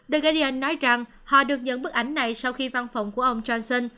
the guardian nói rằng họ được nhận bức ảnh này sau khi văn phòng của ông johnson